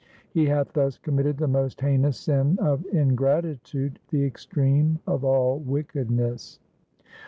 He hath thus committed the most heinous sin of ingratitude, the extreme of all wickedness.'